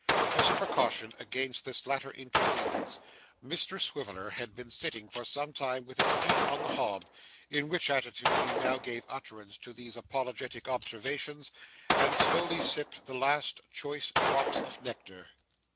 As a precaution against this latter inconvenience, Mr Swiveller had been sitting for some time with his feet on the hob, in which attitude he now gave utterance to these apologetic observations, and slowly sipped the last choice drops of nectar.